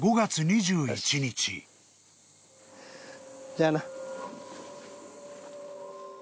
じゃあな。